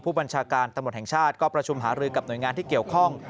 ผู้บัญชาการตำรวจแห่งชาติก็ประชุมหารือกับหน่วยงานที่เกี่ยวข้อง